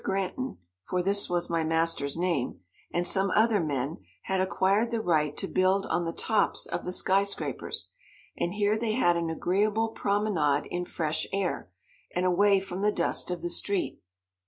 Granton for this was my master's name and some other men had acquired the right to build on the tops of the sky scrapers, and here they had an agreeable promenade in fresh air, and away from the dust of the street.